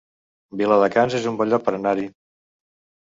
Viladecans es un bon lloc per anar-hi